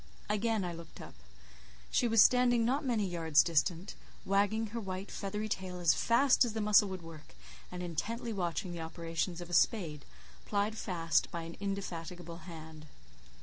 Again I looked up. She was standing not many yards distant, wagging her white feathery tail as fast as the muscle would work, and intently watching the operations of a spade, plied fast by an indefatigable hand.